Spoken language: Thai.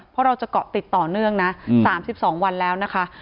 เพราะเราจะเกาะติดต่อเนื่องนะ๓๒วันแล้วนะคะ